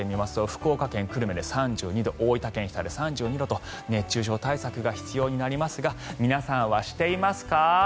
そして最高気温を見てみますと福岡県久留米で３２度大分県日田で３２度と熱中症対策が必要になりますが皆さんはしていますか？